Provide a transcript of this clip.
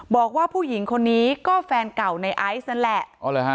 บอกว่าผู้หญิงคนนี้ก็แฟนเก่าในไอซ์นั่นแหละ